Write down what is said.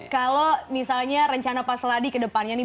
kalau misalnya rencana pak seladi ke depannya nih